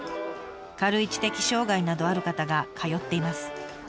軽い知的障害などある方が通っています。